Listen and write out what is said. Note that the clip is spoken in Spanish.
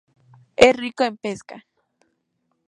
Es rico en pesca.